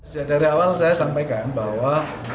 sejak dari awal saya sampaikan bahwa